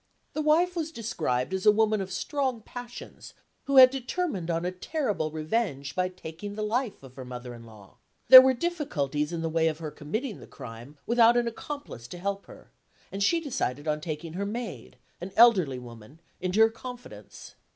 The wife was described as a woman of strong passions, who had determined on a terrible revenge by taking the life of her mother in law. There were difficulties in the way of her committing the crime without an accomplice to help her; and she decided on taking her maid, an elderly woman, into her confidence.